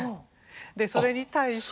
それに対して。